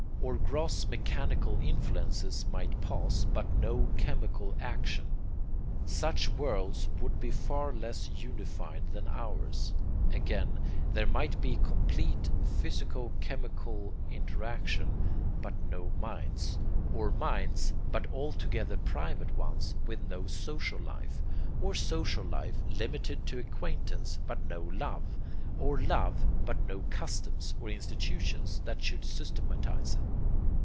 Or gross mechanical influences might pass, but no chemical action. Such worlds would be far less unified than ours. Again there might be complete physico chemical interaction, but no minds; or minds, but altogether private ones, with no social life; or social life limited to acquaintance, but no love; or love, but no customs or institutions that should systematize it.